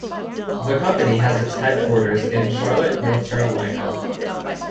The company has its headquarters in Charlotte, North Carolina.